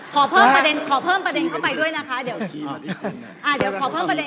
ขอเพิ่มประเด็นขอเพิ่มประเด็นเข้าไปด้วยนะคะเดี๋ยวอ่าเดี๋ยวขอเพิ่มประเด็